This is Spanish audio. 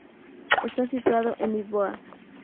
Está situado en Lisboa.